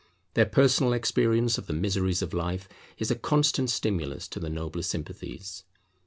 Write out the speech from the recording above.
Their personal experience of the miseries of life is a constant stimulus to the nobler sympathies.